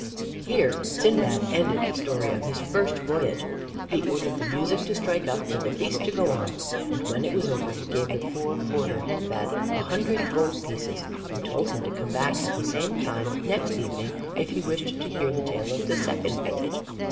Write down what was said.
Here Sindbad ended the story of his first voyage. He ordered the music to strike up and the feast to go on, and when it was over he gave the poor porter Hindbad a hundred gold pieces and told him to come back at the same time next evening if he wished to hear the tale of the second voyage.